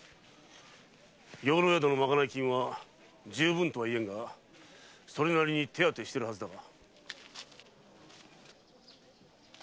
養老宿の賄い金はじゅうぶんとは言えんがそれなりに手当してるはずだが。